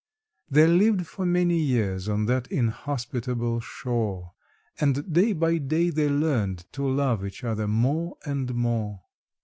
They lived for many years on that inhospitable shore, And day by day they learned to love each other more and more.